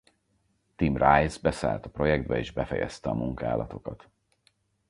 Tim Rice beszállt a projektbe és befejezte a munkálatokat.